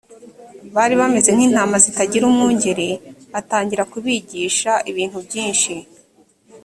bari bameze nk intama zitagira umwungeri l atangira kubigisha ibintu byinshi